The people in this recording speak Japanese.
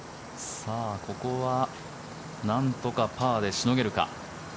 ここはなんとかパーでしのげるか。